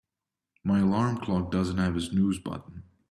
My alarm clock doesn't have a snooze button.